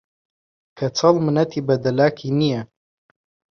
کەچەڵ منەتی بە دەلاکی نییە